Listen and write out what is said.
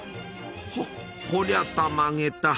こりゃたまげた。